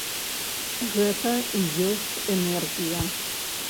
Гэта і ёсць энергія.